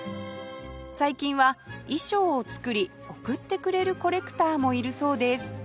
最近は衣装を作り送ってくれるコレクターもいるそうです